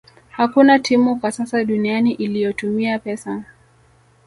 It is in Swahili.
Hakuna timu kwa sasa duniani iliyotumia pesa